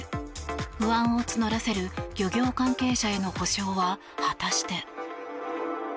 不安を募らせる漁業関係者への補償は果たして。